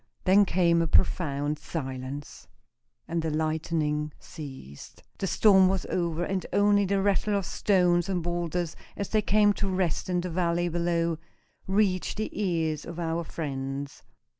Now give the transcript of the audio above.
Then came a profound silence, and the lightning ceased. The storm was over, and only the rattle of stones and boulders, as they came to rest in the valley below, reached the ears of our friends.